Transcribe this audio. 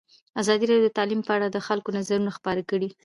ازادي راډیو د تعلیم په اړه د خلکو نظرونه خپاره کړي.